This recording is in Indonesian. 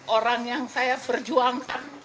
orang yang saya berjuangkan